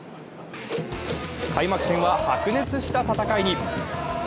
開幕戦は白熱した戦いに。